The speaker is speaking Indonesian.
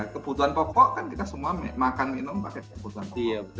kebutuhan pokok kan kita semua makan minum pakai campur sapi